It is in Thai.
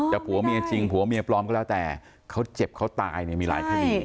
ผัวเมียจริงผัวเมียปลอมก็แล้วแต่เขาเจ็บเขาตายเนี่ยมีหลายคดี